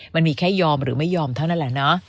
มันมีแค่ยอมหรือไม่ยอมเท่านั้นแหละเนอะ